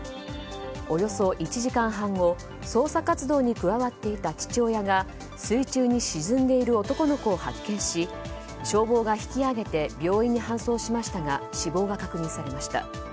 およそ１時間半後捜索活動に加わっていた父親が水中に沈んでいる男の子を発見し消防が引き揚げて病院に搬送しましたが死亡が確認されました。